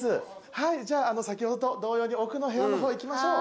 はいじゃあ先ほどと同様に奥の部屋の方へ行きましょう。